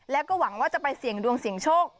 แล้วก็หวังว่าจะไปเสี่ยงดวงเสี่ยงโชค